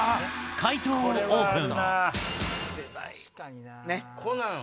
解答をオープン。